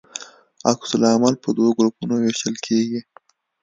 عکس العمل په دوه ګروپونو ویشل کیږي.